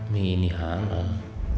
mie ini halal